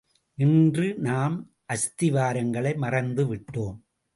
இன்று நாம் அஸ்திவாரங்களை மறந்து விட்டோம்!